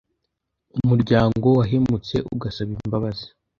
umuryango wahemutse ugasaba imbabazi